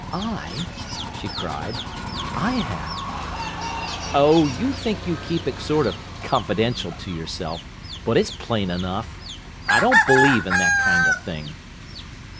"I!" she cried. "I have?" "Oh, you think you keep it sort of confidential to yourself, but it's plain enough! I don't believe in that kind of thing."